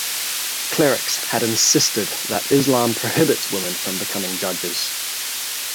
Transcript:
Clerics had insisted that Islam prohibits women from becoming judges.